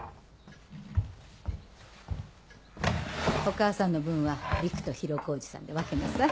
お母さんの分は陸と広小路さんで分けなさい。